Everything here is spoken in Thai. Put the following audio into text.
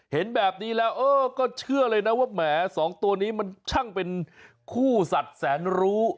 เห็นแบบนี้แล้วก็เชื่อเลยนะว่าแหมสองตัวนี้มันช่างเป็นคู่สัตว์แสนรู้